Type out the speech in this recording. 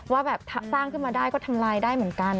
ว่าแบบสร้างขึ้นมาได้ก็ทำลายได้เหมือนกัน